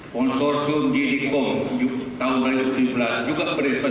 konsor jum' di dikom tahun dua ribu tujuh belas juga berinvestasi di travelo dan sebesar tiga lima miliar dolar